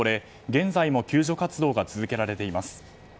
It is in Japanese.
現在も救助活動が続けられています。